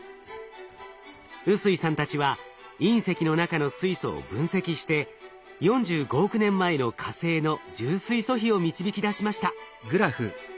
臼井さんたちは隕石の中の水素を分析して４５億年前の火星の重水素比を導き出しました。